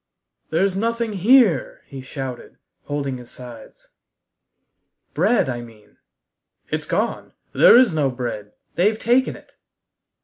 "There's nothing here!" he shouted, holding his sides. "Bread, I mean." "It's gone. There is no bread. They've taken it!"